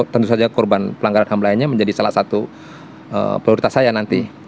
tentu saja korban pelanggaran ham lainnya menjadi salah satu prioritas saya nanti